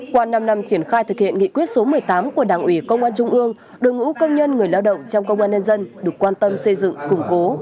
qua năm năm triển khai thực hiện nghị quyết số một mươi tám của đảng ủy công an trung ương đội ngũ công nhân người lao động trong công an nhân dân được quan tâm xây dựng củng cố